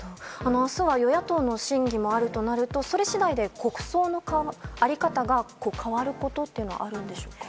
明日は与野党の審議もあるとなると、それ次第で国葬の在り方が変わることってあるのでしょうか。